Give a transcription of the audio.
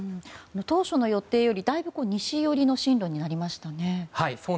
当初の予定よりだいぶ西寄りの進路になりましたね。